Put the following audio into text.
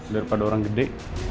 daripada orang gede